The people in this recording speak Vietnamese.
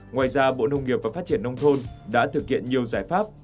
ngoài ra bộ nông nghiệp và phát triển nông thôn đã thực hiện nhiều giải pháp